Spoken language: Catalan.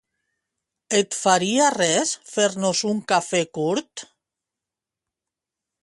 Et faria res fer-nos un cafè curt?